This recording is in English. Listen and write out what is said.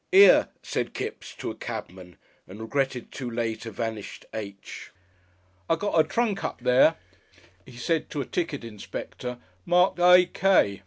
"'Ere!" said Kipps to a cabman, and regretted too late a vanished "H." "I got a trunk up there," he said to a ticket inspector, "marked A. K."